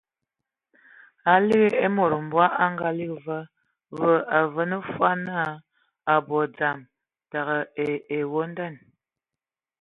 A ligi e mod mbɔg a ngaligi va, və a vaŋa fɔɔ naa a abɔ dzam, təgə ai ewonda.